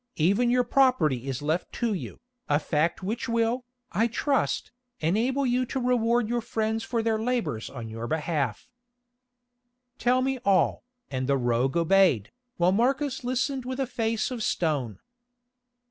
"Even your property is left to you, a fact which will, I trust, enable you to reward your friends for their labours on your behalf." "Tell me all," and the rogue obeyed, while Marcus listened with a face of stone.